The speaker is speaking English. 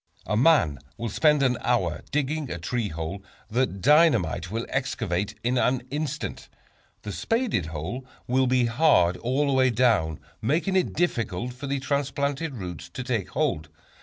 A man will spend an hour digging a tree hole that dynamite will excavate in an instant. The spaded hole will be hard all the way down, making it difficult for the transplanted roots to take hold.